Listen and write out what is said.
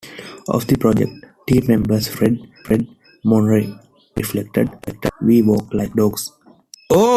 Of the project, team member Fred Monroe later reflected, We worked like dogs.